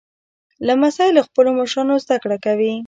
لمسی له خپلو مشرانو زدهکړه کوي.